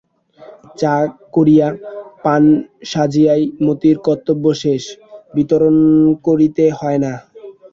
চা করিয়া, পান সাজিয়াই মতির কর্তব্য শেষ, বিতরণ করিতে হয় না।